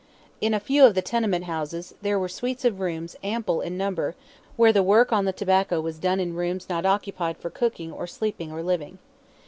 In a few of the tenement houses there were suites of rooms ample in number where the work on the tobacco was done in rooms not occupied for cooking or sleeping or living.